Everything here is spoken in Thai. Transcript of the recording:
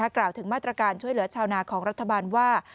กล่าวถึงมาตรการช่วยเหลือชาวนาของรัฐบาลว่า